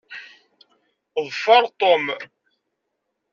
Ḍfeṛ Tom!